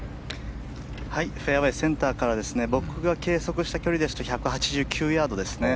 フェアウェーセンターから僕が計測した距離ですと１８９ヤードですね。